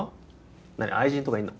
何愛人とかいるの？